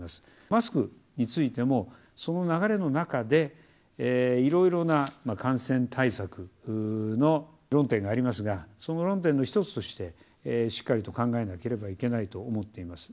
マスクについても、その流れの中で、いろいろな感染対策の論点がありますが、その論点の一つとして、しっかりと考えなければいけないと思っています。